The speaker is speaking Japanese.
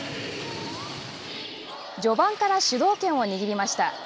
序盤から主導権を握りました。